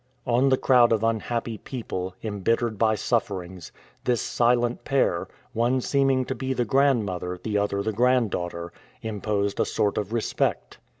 On the crowd of unhappy people, embittered by sufferings, this silent pair one seeming to be the grandmother, the other the grand daughter imposed a sort of respect.